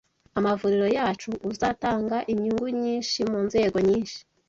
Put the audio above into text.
amavuriro yacu uzatanga inyungu nyinshi mu nzego nyinshi